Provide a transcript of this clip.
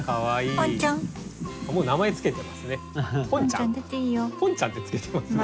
ポンちゃんって付けてますが。